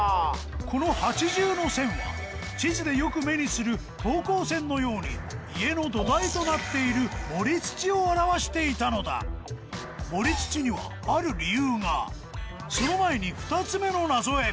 この８重の線は地図でよく目にする等高線のように家の土台となっている盛り土を表していたのだその前に２つ目の謎へ！